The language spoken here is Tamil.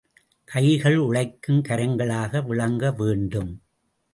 கைகள் உழைக்கும் கரங்களாக விளங்க வேண்டும்.